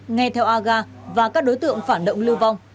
nghe theo aga và các đối tượng phản động lưu vong